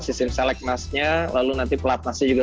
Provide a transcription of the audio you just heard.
sistem selek nasnya lalu nanti pelat nasnya juga